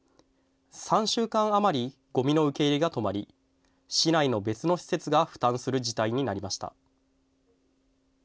３週間余りごみの受け入れが止まり市内の別の施設が負担する事態になりました。